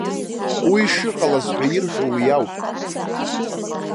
Уи шыҟалаз ҳәа ирҳәо уи ауп.